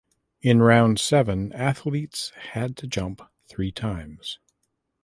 In round seven athletes had to jump three times.